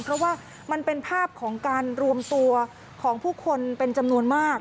เพราะว่ามันเป็นภาพของการรวมตัวของผู้คนเป็นจำนวนมาก